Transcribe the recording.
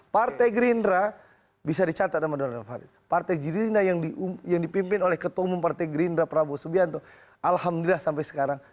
partai gerindra bisa dicatat sama donald farid partai gerindra yang dipimpin oleh ketua umum partai gerindra prabowo subianto alhamdulillah sampai sekarang